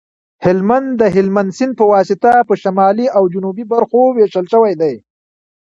هلمند د هلمند سیند په واسطه په شمالي او جنوبي برخو ویشل شوی دی